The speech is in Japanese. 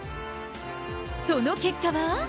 その結果は？